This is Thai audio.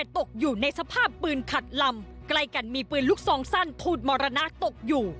ตกอยู่ในสภาพปืนขัดลำใกล้กันมีปืนลูกซองสั้นทูตมรณะตกอยู่